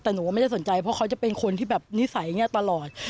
แต่หนูก็ไม่ได้สนใจเพราะเขาจะเป็นคนที่แบบนิสัยอย่างนี้ตลอด